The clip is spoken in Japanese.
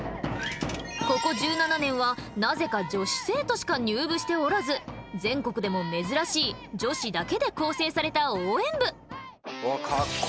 ここ１７年はなぜか女子生徒しか入部しておらず全国でも珍しい女子だけで構成された応援部！